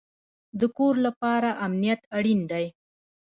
د کور لپاره امنیت اړین دی